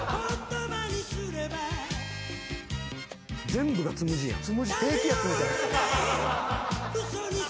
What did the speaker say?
全部がつむじやん。